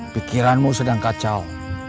pikiranmu sedang kacau